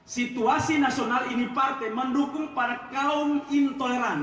situasi nasional ini partai mendukung para kaum intoleran